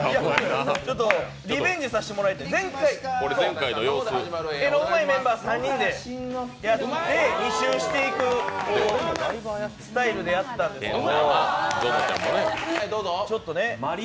リベンジさせてもらいたい、前回、絵のうまいメンバー３人で２周していくスタイルでやったんですけど。